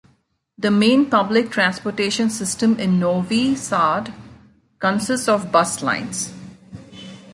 The main public transportation system in Novi Sad consists of bus lines.